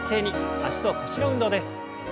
脚と腰の運動です。